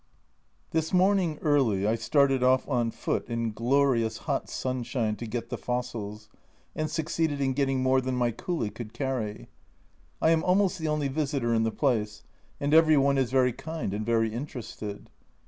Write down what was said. This morning early I started off on foot in glorious hot sunshine to get the fossils, and succeeded in getting more than my coolie could carry. I am almost the only visitor in the place, and every one is very kind and very interested.